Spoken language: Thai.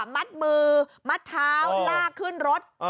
มัดมือมัดเท้าลากขึ้นรถ